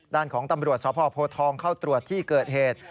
ด้านของตำรวจสพโพทองเข้าตรวจที่เกิดเหตุ